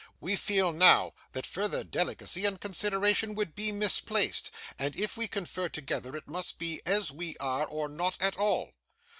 We feel, now, that further delicacy and consideration would be misplaced; and, if we confer together, it must be as we are or not at all.